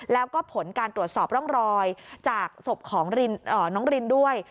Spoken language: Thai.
แล้วก็ผลการตรวจสอบร่องรอยจากศพของน้องรินด้วย